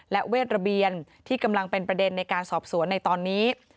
และเวทระเบียนที่กำลังเป็นประเด็นในการสอบสวนในตอนนี้